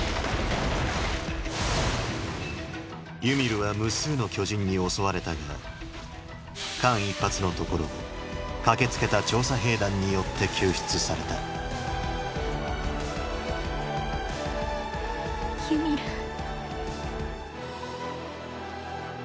ユミルは無数の巨人に襲われたが間一髪のところを駆けつけた調査兵団によって救出されたユミル。